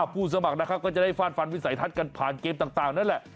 ผู้สมัครนะครับก็จะได้ฟาดฟันวิสัยทัศน์กันผ่านเกมต่างนั่นแหละ